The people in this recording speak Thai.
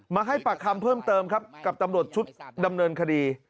มาให้ปากคำเพิ่มเติมครับกับตำรวจชุดดำเนินคดี